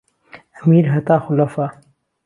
ئهمير ههتا خولەفا